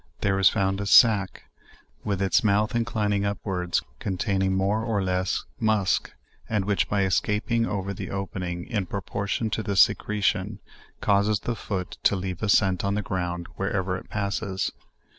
there is found a sack, with its mouth inclining upwards, containing more or less musk, and which by escaping over the opening, in proportion to the secretion, causes the foot to leave a scent on the ground wherever it passes.